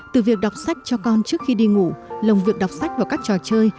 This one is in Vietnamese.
từ việc đọc sách cho con trước khi đi ngủ lồng việc đọc sách vào các trò chơi